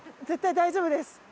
絶対大丈夫です。